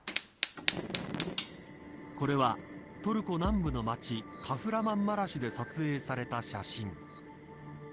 これは、トルコ南部の町カフラマンマラシュで撮影された写真。